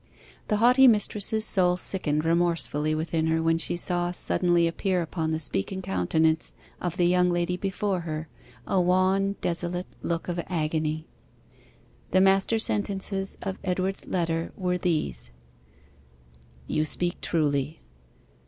The haughty mistress's soul sickened remorsefully within her when she saw suddenly appear upon the speaking countenance of the young lady before her a wan desolate look of agony. The master sentences of Edward's letter were these: 'You speak truly.